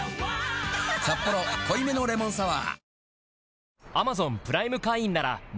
「サッポロ濃いめのレモンサワー」